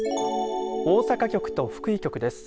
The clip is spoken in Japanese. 大阪局と福井局です。